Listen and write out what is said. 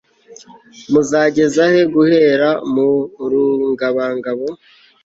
muzageza he guhera mu rungabangabo